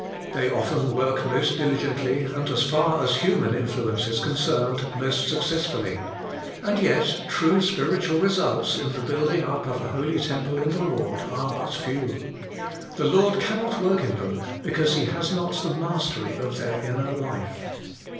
They often work most diligently, and, as far as human influence is concerned, most successfully. And yet true spiritual results in the building up of a holy temple in the Lord are but few. The Lord cannot work in them, because He has not the mastery of their inner life.